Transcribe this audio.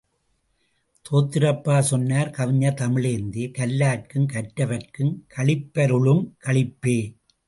தோத்திரப்பா சொன்னர் கவிஞர் தமிழேந்தி கல்லார்க்குங் கற்றவர்க்கும் களிப்பருளுங் களிப்பே!